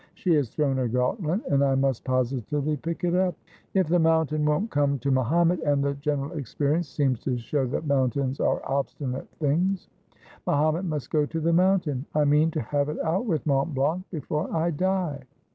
She has thrown her gauntlet, and I must positively pick it up. If the mountain won't come to Mahomet — and the general experience seems to show that mountains are obstinate things — Mahomet must go to the moun tain. I mean to have it out with Mont Blanc before I die.'